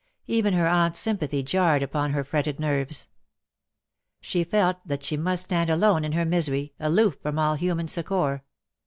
Even her aunt's sympathy jarred upon her fretted nerves. She felt that she must stand alone in her misery, aloof from all human succour.